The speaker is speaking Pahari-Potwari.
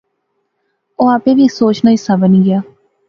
او آپے وی اس سوچ نا حصہ بنی گیا